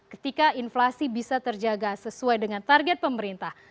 ketika inflasi bisa terjaga sesuai dengan target pemerintah